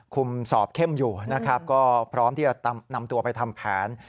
สอบเข้มอยู่นะครับก็พร้อมที่จะนำตัวไปทำแผน